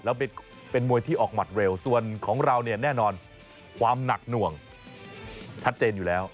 แล้วเป็นมวยที่ออกหมัดเร็วส่วนของเราเนี่ยแน่นอนความหนักหน่วงชัดเจนอยู่แล้ว